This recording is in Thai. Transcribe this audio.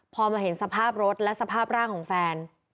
พอมาเห็นสภาพรถและสภาพร่างของแฟน